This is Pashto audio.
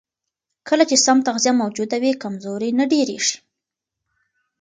کله چې سم تغذیه موجوده وي، کمزوري نه ډېرېږي.